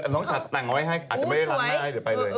น้องฉันต่างไว้ให้อาจจะไม่ได้รับหน้าให้เดี๋ยวไปเลย